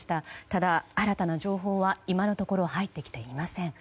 ただ、新たな情報は今のところ入ってきていません。